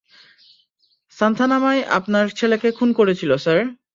সান্থানামই আপনার ছেলেকে খুন করেছিল, স্যার।